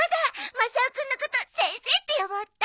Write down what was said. マサオくんのこと先生って呼ぼうっと！